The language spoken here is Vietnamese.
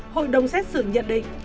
hội đồng xét xử nhận định